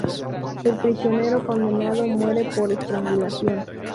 El prisionero condenado muere por estrangulación.